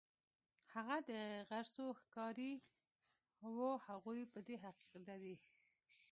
هغه د غرڅو ښکاري وو، هغوی په دې عقیده دي.